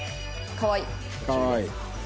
かわいい。